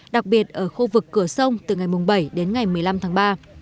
đặc biệt ở khu vực cửa sông từ ngày bảy đến ngày một mươi năm tháng ba